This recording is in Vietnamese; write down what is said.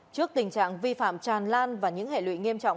trước tình trạng vi phạm tràn lan và những hệ lụy nghiêm trọng